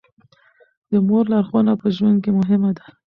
د مور لارښوونه په ژوند کې مهمه ده.